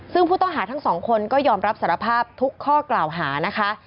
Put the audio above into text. ซึ่งผู้ต้องหาทั้งสองคนก็ยอมรับสารภาพทุกข้อกล่าวหานะคะ